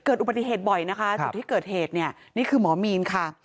เกิดอุบัติเหตุบ่อยนะคะจุดที่เกิดเหตุเนี่ยนี่คือหมอมีนค่ะ